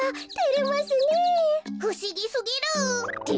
ふしぎすぎる！って